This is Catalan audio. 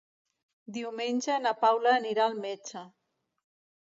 Diumenge na Paula anirà al metge.